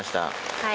はい。